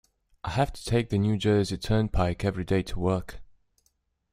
I have to take the New Jersey Turnpike every day to work.